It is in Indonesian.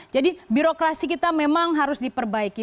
jadi birokrasi kita memang harus diperbaiki